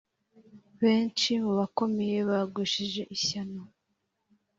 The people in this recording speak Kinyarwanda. Benshi mu bakomeye bagushije ishyano,